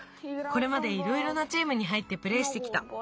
これまでいろいろなチームに入ってプレーしてきた。